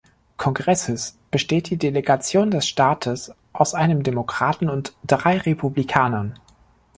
Kongresses besteht die Delegation des Staates aus einem Demokraten und drei Republikanern.